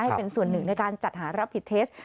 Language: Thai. ให้เป็นส่วนหนึ่งในการจัดหารับผิดเทส